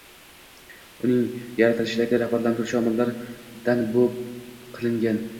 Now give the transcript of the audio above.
Uning yaratilishidagi rag‘batlantiruvchi omillardan biri bu qilingan.